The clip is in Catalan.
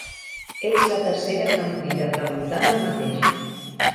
Ets la tercera que em crida preguntant el mateix.